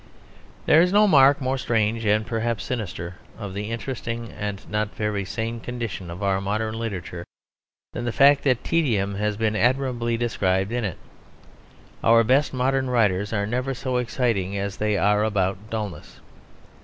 There is no mark more strange and perhaps sinister of the interesting and not very sane condition of our modern literature, than the fact that tedium has been admirably described in it. Our best modern writers are never so exciting as they are about dulness.